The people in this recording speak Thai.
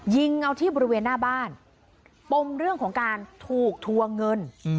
ยิงเอาที่บริเวณหน้าบ้านปมเรื่องของการถูกทวงเงิน